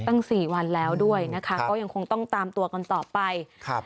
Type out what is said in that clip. ตั้งสี่วันแล้วด้วยนะคะก็ยังคงต้องตามตัวกันต่อไปครับ